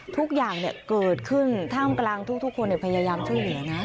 ทุกอย่างเนี่ยเกิดขึ้นท่ามกลางทุกคนเนี่ยพยายามสู้เหลือนะ